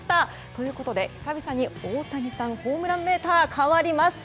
ということで、久々に大谷さんホームランメーター変わります！